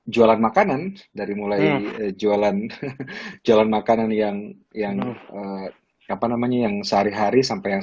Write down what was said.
jualan makanan dari mulai jualan jalan makanan yang yang apa namanya yang sehari hari sampai yang